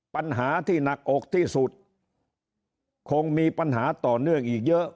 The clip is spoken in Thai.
ปัญหาที่หนักอกที่สุดคงมีปัญหาต่อเนื่องอีกเยอะ